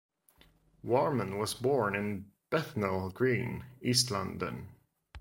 Warman was born in Bethnal Green, East London.